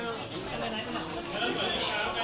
เรื่องจริงทั้งหมด